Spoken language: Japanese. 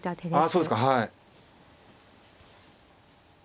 そうですかはい。